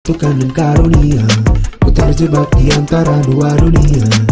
tukang dan karunia ku terjebak di antara dua dunia